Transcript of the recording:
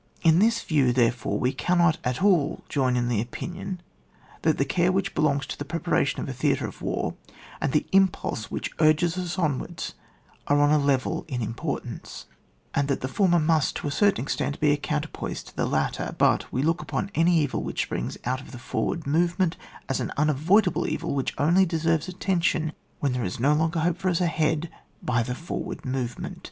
In this view, therefore, we cannot at all join in the opinion that the care which belongs to the preparation of a theatre of war, and the impulse which urges us onwardSf are on a level in importance, and that the former must, to a certain ex tent, be a counterpoise to the latter ; but we look upon any evil which springs out of the forward movement, as an unavoid able evil which only deserves attention when there is no longer hope for ub a head by the forward movement.